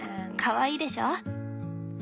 かわいいでしょ？